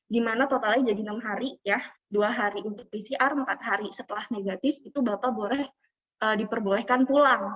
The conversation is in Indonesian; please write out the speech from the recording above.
dimana totalnya jadi enam hari ya dua hari untuk pcr empat hari setelah negatif itu bapak boleh diperbolehkan pulang